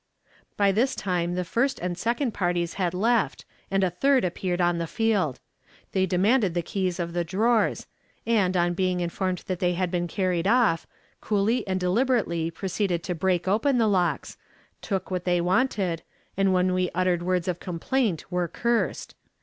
"By this time the first and second parties had left, and a third appeared on the field. They demanded the keys of the drawers, and, on being informed that they had been carried off, coolly and deliberately proceeded to break open the locks, took what they wanted, and when we uttered words of complaint were cursed.